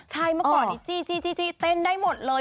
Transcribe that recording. ใช่เมื่อก่อนนี้จี้เต้นได้หมดเลย